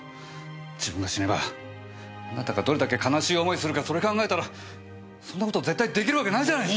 自分が死ねばあなたがどれだけ悲しい思いするかそれ考えたらそんな事絶対出来るわけないじゃないですか！